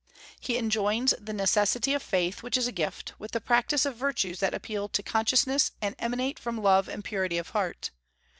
He enjoins the necessity of faith, which is a gift, with the practice of virtues that appeal to consciousness and emanate from love and purity of heart.